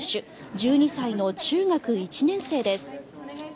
１２歳の中学１年生です。